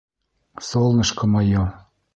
«Солнышко мое!»